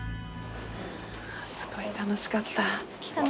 すごい楽しかった。